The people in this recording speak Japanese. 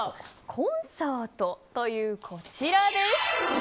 コンサートというこちらです。